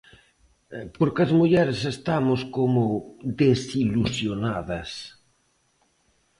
Porque as mulleres estamos como desilusionadas.